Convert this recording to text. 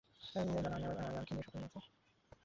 জানো আমি আরও কী নিয়ে অবাক হচ্ছি?